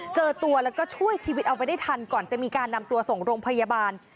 เจอตัวแล้วก็ช่วยชีวิตเอาไว้ได้ทันก่อนจะมีการนำตัวส่งโรงพยาบาล